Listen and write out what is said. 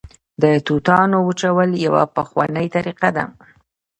د توتانو وچول یوه پخوانۍ طریقه ده